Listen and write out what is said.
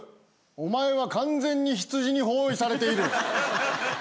お前は完全に羊に包囲されている。